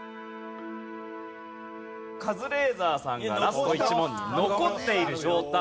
カズレーザーさんがラスト１問残っている状態。